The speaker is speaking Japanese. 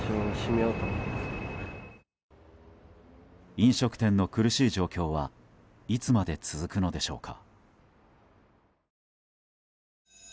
飲食店の苦しい状況はいつまで続くのでしょうか。